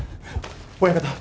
親方。